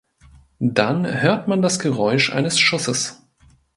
Dann hört man das Geräusch eines Schusses.